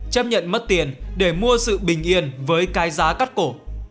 chấp nhận mất tiền để mua sự bình yên với cái giá cắt cổ